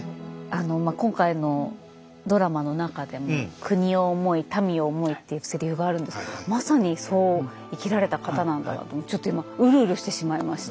あの今回のドラマの中でも「国を思い民を思い」っていうセリフがあるんですけどまさにそう生きられた方なんだなとちょっと今うるうるしてしまいました。